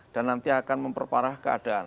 dan nanti akan memperparah keadaan